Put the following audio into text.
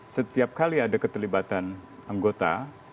setiap kali ada keterlibatan anggota